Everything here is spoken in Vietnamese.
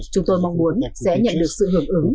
chúng tôi mong muốn sẽ nhận được sự hưởng ứng